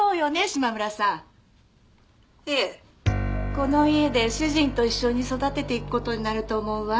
この家で主人と一緒に育てていく事になると思うわ。